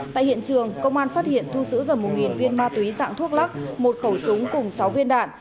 tại hiện trường công an phát hiện thu giữ gần một viên ma túy dạng thuốc lắc một khẩu súng cùng sáu viên đạn